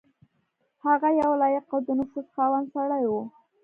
هغه یو لایق او د نفوذ خاوند سړی وو.